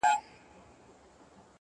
تر دې ولاړي په خرپ نړېدلې ښه ده.